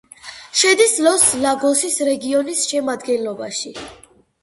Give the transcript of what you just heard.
შედის ლოს-ლაგოსის რეგიონის შემადგენლობაში.